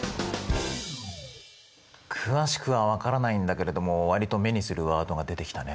詳しくは分からないんだけれども割と目にするワードが出てきたね。